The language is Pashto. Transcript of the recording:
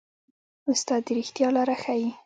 استاد د ریښتیا لاره ښيي.